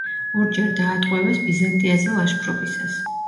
ორჯერ დაატყვევეს ბიზანტიაზე ლაშქრობისას.